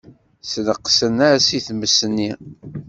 Sneqsen-as i tmes-nni.